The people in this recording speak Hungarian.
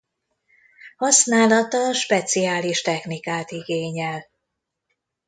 Használata speciális technikát igényel.